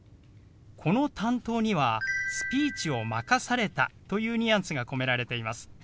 この「担当」には「スピーチを任された」というニュアンスが込められています。